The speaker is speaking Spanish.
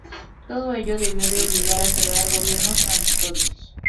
Todo ello debió de obligar a crear gobiernos transitorios.